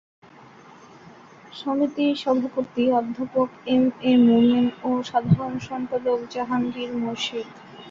সমিতির সভাপতি অধ্যাপক এম এ মোমেন ও সাধারণ সম্পাদক জাহাঙ্গীর মোর্শেদ।